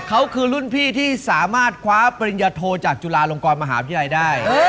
เขาคือรุ่นพี่ที่สามารถคว้าปริญญาโทจากจุฬาลงกรมหาวิทยาลัยได้